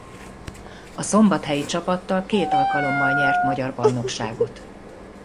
A szombathelyi csapattal két alkalommal nyert magyar bajnokságot.